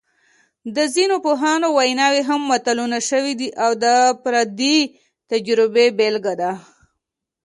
د ځینو پوهانو ویناوې هم متلونه شوي دي او د فردي تجربې بېلګه ده